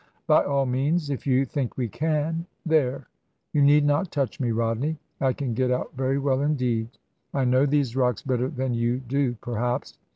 "By all means; if you think we can. There, you need not touch me, Rodney; I can get out very well indeed. I know these rocks better than you do perhaps.